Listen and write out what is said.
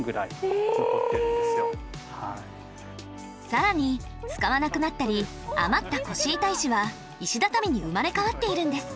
更に使わなくなったり余った腰板石は石畳に生まれ変わっているんです。